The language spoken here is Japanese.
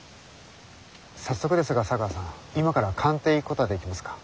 早速ですが茶川さん今から官邸へ行くことはできますか？